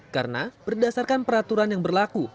karena berdasarkan peraturan yang berlaku